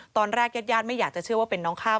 ตอนแรกยัดยาดไม่อยากจะเชื่อว่าเป็นน้องข้าว